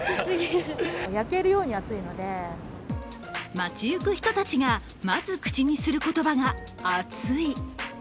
街ゆく人たちが、まず口にする言葉が「暑い」。